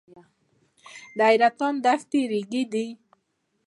د حیرتان دښتې ریګي دي